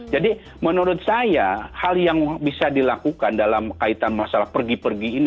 jadi menurut saya hal yang bisa dilakukan dalam kaitan masalah pergi pergian